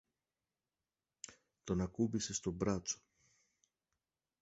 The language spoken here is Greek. τον ακούμπησε στο μπράτσο